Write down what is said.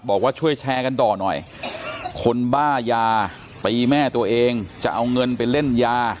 บอกว่าช่วยแชร์กันต่อหน่อยคนบ้ายาตีแม่ตัวเองจะเอาเงินไปเล่นยา